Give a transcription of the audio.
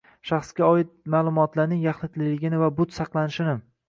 shaxsga doir ma’lumotlarning yaxlitligini va but saqlanishini;